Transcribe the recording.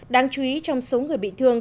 đáng chú ý trong số người bị thương